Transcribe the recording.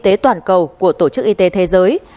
tế toàn cầu của tổ chức y tế thế giới